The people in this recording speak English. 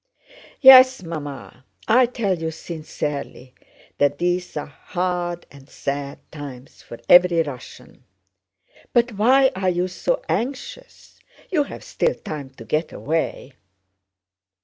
"Yes, Mamma, I tell you sincerely that these are hard and sad times for every Russian. But why are you so anxious? You have still time to get away...."